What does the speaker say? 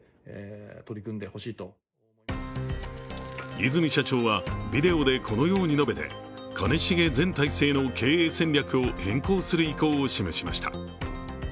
和泉社長はビデオでこのように述べて兼重前体制の経営戦略を変更する意向を示しました。